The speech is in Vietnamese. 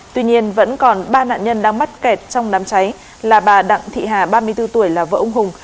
tuy nhiên vẫn còn ba nạn nhân đang mắc kẹt trong đám cháy là bà đặng thị hà ba mươi bốn tuổi là vợ ông hùng